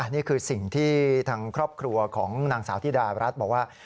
นี่คือสิ่งที่ทางครอบครัวของนางสาวธิดารัฐบอกว่า